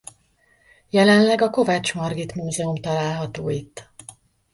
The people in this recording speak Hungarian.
Jelenleg a Kovács Margit Múzeum található itt.